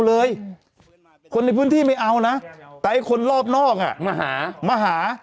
เลยคนในพื้นที่ไม่เอานะแต่ไอ้คนรอบนอกอ่ะมาหามาหา